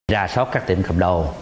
ra sót các tiệm cầm đồ